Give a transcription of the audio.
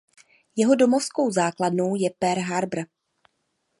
Jeho domovskou základnou je Pearl Harbor.